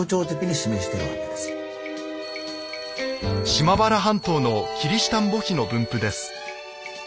島原半島のキリシタン墓碑の分布です。